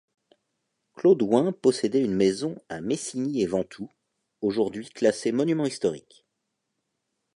Claude Hoin possédait une maison à Messigny-et-Vantoux, aujourd'hui classée monument historique.